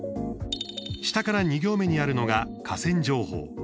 下から２行目にあるのが河川情報。